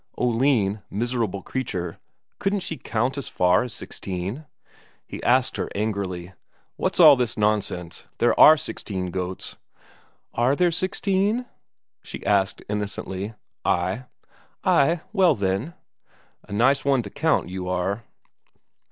Oline, miserable creature, couldn't she count as far as sixteen? He asked her angrily: "What's all this nonsense? there are sixteen goats." "Are there sixteen?" she asked innocently. "Ay." "Ay, well, then." "A nice one to count, you are."